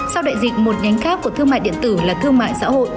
sau đại dịch một nhánh khác của thương mại điện tử là thương mại xã hội